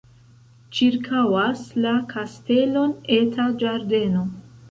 Ĉirkaŭas la kastelon eta ĝardeno.